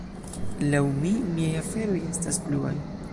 "Laŭ mi, miaj aferoj estas bluaj."